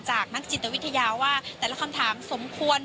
จากนักจิตวิทยาว่าแต่ละคำถามสมควร